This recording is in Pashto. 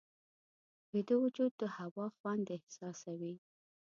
ویده وجود د هوا خوند احساسوي